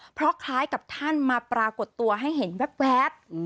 เพราะคล้ายกับท่านมาปรากฏตัวให้เห็นแว๊บ